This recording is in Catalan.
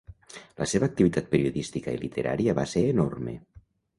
La seva activitat periodística i literària va ser enorme.